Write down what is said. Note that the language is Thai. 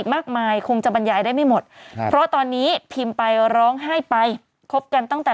มากมายคงจะบรรยายได้ไม่หมดครับเพราะตอนนี้พิมพ์ไปร้องไห้ไปคบกันตั้งแต่